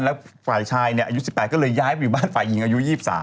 แล้วฝ่ายชายอายุ๑๘ก็เลยย้ายไปอยู่บ้านฝ่ายหญิงอายุ๒๓